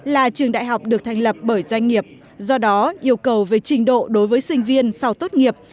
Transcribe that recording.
là trường đại học được thành lập bởi doanh nghiệp do đó yêu cầu về trình độ đối với sinh viên sau tốt nghiệp